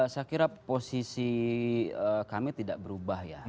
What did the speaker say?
saya kira posisi kami tidak berubah ya